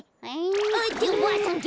っておばあさん